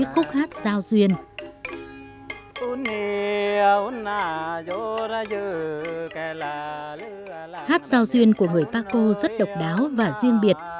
hát giao duyên của người paco rất độc đáo và riêng biệt